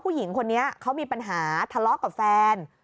ผู้หญิงคนนี้เขามีปัญหาทะเลาะกับแฟน